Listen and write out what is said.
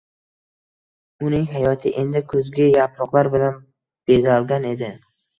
Uning hayoti endi kuzgi yaproqlar bilan bezalgan edi.